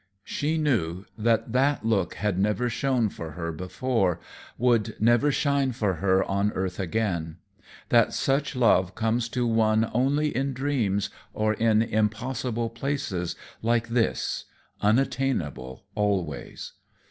She knew that that look had never shone for her before, would never shine for her on earth again, that such love comes to one only in dreams or in impossible places like this, unattainable always.